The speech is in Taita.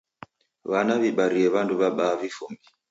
W'ana w'ibarie w'andu w'abaa vifumbi.